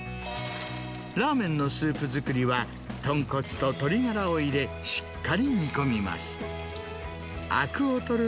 ラーメンのスープ作りは、豚骨と鶏がらを入れ、しっかり煮込みます。